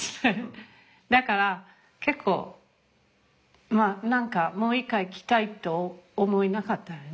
だから結構何かもう一回来たいと思えなかったのね。